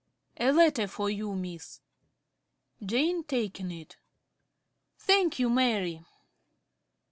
A letter for you, Miss. ~Jane~ (taking it). Thank you, Mary.